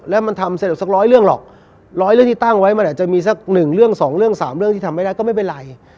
แล้วมันทำเสร็จสักร้อยเรื่องหรอกร้อยเรื่องที่ตั้งไว้มันอาจจะมีสักหนึ่งเรื่องสองเรื่องสามเรื่องที่ทำไม่ได้ก็ไม่เป็นไร